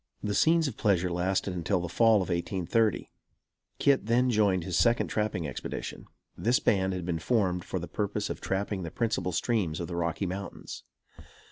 The scenes of pleasure lasted until the fall of 1830. Kit then joined his second trapping expedition. This band had been formed for the purpose of trapping the principal streams of the Rocky Mountains.